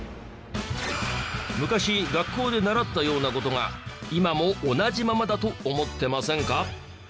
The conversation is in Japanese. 昔学校で習ったような事が今も同じままだと思ってませんか？